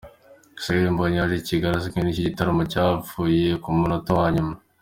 Israel Mbonyi yaje i Kigali azanywe n'iki gitaramo cyapfuye ku munota wa nyuma.